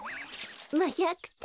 まあ１００てん。